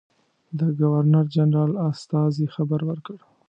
د ګورنرجنرال استازي خبر ورکړ.